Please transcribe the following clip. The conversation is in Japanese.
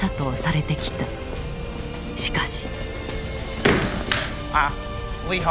しかし。